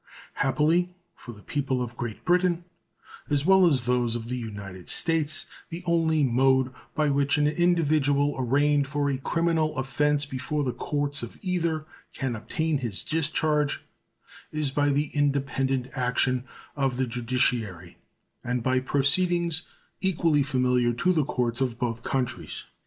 Happily for the people of Great Britain, as well as those of the United States, the only mode by which an individual arraigned for a criminal offense before the courts of either can obtain his discharge is by the independent action of the judiciary and by proceedings equally familiar to the courts of both countries.